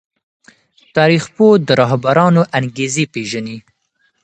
تاريخ پوه د رهبرانو انګېزې پېژني.